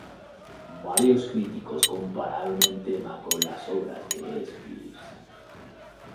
Varios críticos compararon el tema con las obras de Spears.